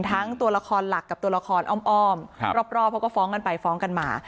ทั้งตัวละครหลักกับตัวละครอ้อมรอบเขาก็ฟ้องกันไปฟ้องกันมา